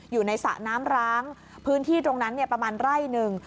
สระน้ำร้างพื้นที่ตรงนั้นประมาณไร่หนึ่ง